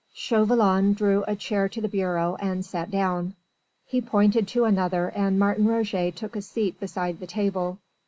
Chauvelin drew a chair to the bureau and sat down; he pointed to another and Martin Roget took a seat beside the table.